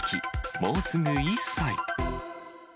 もうすぐ１歳。